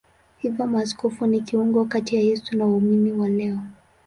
Hivyo maaskofu ni kiungo kati ya Yesu na waumini wa leo.